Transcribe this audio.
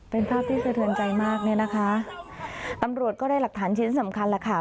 เป็นภาพที่สะเทือนใจมากเนี่ยนะคะตำรวจก็ได้หลักฐานชิ้นสำคัญแหละค่ะ